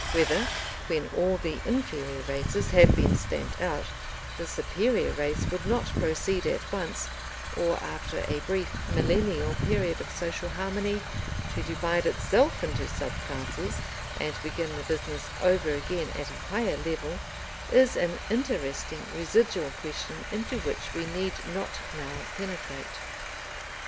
Whether, when all the inferior races have been stamped out, the superior race would not proceed at once, or after a brief millennial period of social harmony, to divide itself into sub classes, and begin the business over again at a higher level, is an interesting residual question into which we need not now penetrate.